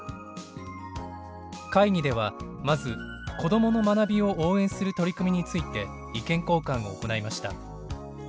会議ではまず「子どもの学びを応援する取り組み」について意見交換を行いました。